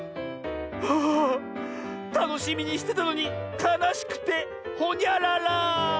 あたのしみにしてたのにかなしくてほにゃらら。